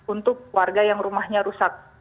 untuk warga yang rumahnya rusak